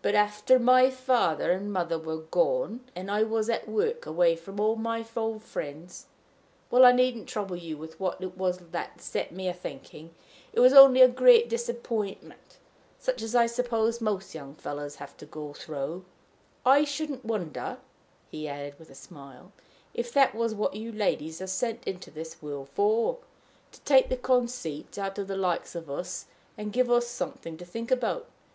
But after my father and mother were gone, and I was at work away from all my old friends well, I needn't trouble you with what it was that set me a thinking it was only a great disappointment, such as I suppose most young fellows have to go through I shouldn't wonder," he added with a smile, "if that was what you ladies are sent into this world for to take the conceit out of the likes of us, and give us something to think about.